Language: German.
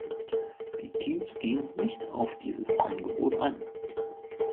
Die Teams gingen nicht auf dieses Angebot ein.